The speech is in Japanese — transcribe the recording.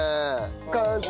完成！